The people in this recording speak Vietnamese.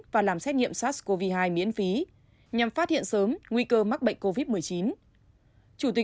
và làm xét nghiệm sars cov hai miễn phí nhằm phát hiện sớm nguy cơ mắc bệnh covid một mươi chín